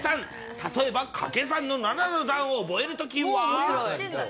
例えばかけ算の７の段を覚えるときは。